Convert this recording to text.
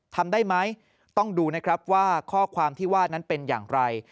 ทำได้ไหมต้องดูนะครับว่าข้อความที่ว่านั้นเป็นอย่างไร